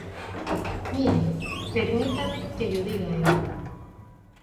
Mire, permítame que llo diga eu.